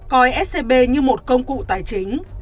coi scb như một công cụ tài chính